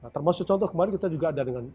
termasuk contoh kemarin kita juga ada dengan